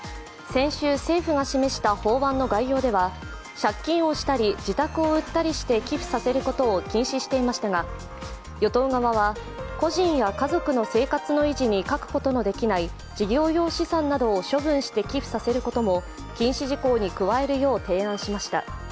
先週、政府が示した法案の概要では借金をしたり自宅を売ったりして寄付させることを禁止していましたが与党側は、個人や家族の生活の維持に欠くことのできない事業用資産などを処分して寄付させることも禁止事項に加えるよう提案しました。